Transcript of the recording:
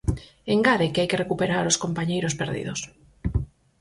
E engade que hai que recuperar os compañeiros perdidos.